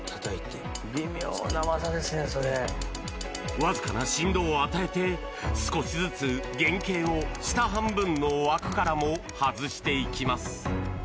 わずかな振動を与えて少しずつ原型を下半分の枠からも外していきます。